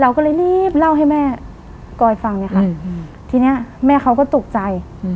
เราก็เลยรีบเล่าให้แม่กอยฟังเลยค่ะทีนี้แม่เขาก็ตกใจ